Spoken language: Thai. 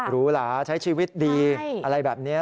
หรูหลาใช้ชีวิตดีอะไรแบบนี้